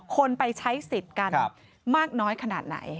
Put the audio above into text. คนไปใช้สิทธิ์กันมากน้อยขนาดไหน